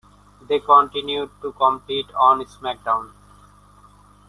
They continued to compete on SmackDown!